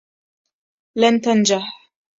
لن تنجح.